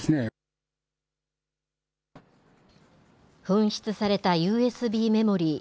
紛失されたＵＳＢメモリー。